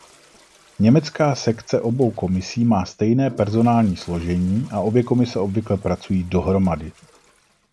Německá sekce obou komisí má stejné personální složení a obě komise obvykle pracují dohromady.